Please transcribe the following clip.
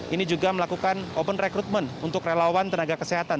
ini juga melakukan open recruitment untuk relawan tenaga kesehatan